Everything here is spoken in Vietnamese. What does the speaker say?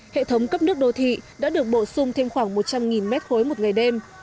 hệ thống cấp nước đô thị đã được bổ sung thêm khoảng một trăm linh nghìn mét khối một ngày đêm